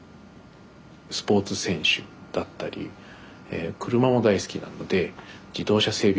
スポーツ選手だったり車も大好きなので自動車整備